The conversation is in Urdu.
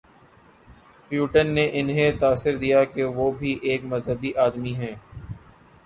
پیوٹن نے انہیں تاثر دیا کہ وہ بھی ایک مذہبی آدمی ہیں۔